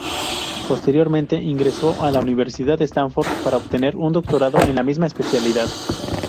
Posteriormente ingresó a la Universidad Stanford para obtener un doctorado en la misma especialidad.